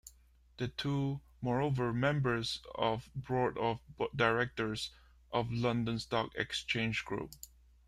The two, moreover, members of the Board of Directors of London Stock Exchange Group.